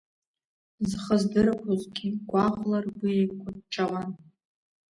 Зхы здырқәозгьы, гәаӷла ргәы еиҟәыҷҷауан.